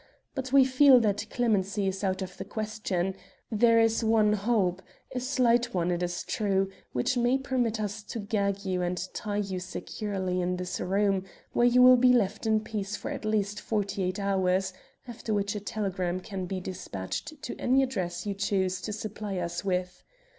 But we feel that clemency is out of the question. There is one hope a slight one, it is true which may permit us to gag you and tie you securely in this room, where you will be left in peace for at least forty eight hours, after which time a telegram can be despatched to any address you choose to supply us with.